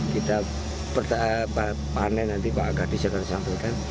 kita panen nanti pak gadis akan sampaikan